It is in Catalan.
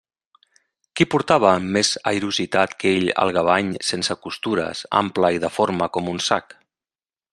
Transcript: Qui portava amb més airositat que ell el gavany sense costures, ample i deforme com un sac?